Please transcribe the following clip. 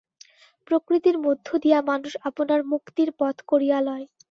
প্রকৃতির মধ্য দিয়া মানুষ আপনার মুক্তির পথ করিয়া লয়।